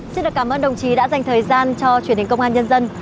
xin được cảm ơn đồng chí đã dành thời gian cho truyền hình công an nhân dân